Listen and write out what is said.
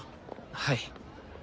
はい。